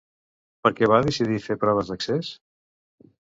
Per què va decidir fer proves d'accés?